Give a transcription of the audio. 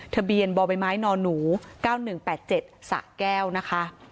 ทะเบียนบ่อใบไม้นหนู๙๑๘๗สะแก้วนะคะ